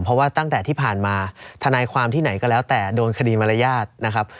เพราะว่าตั้งแต่ที่ผ่านมาธนายความที่ไหนก็แล้วแต่โดนคดีมารยาทนะครับ